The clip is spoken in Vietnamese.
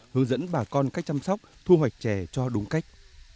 hướng dẫn bà con cách chăm sóc thu hoạch chè cho đúng cách